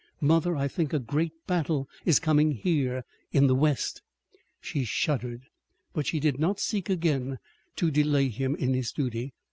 Mother, I think a great battle is coming here in the west." She shuddered, but she did not seek again to delay him in his duty.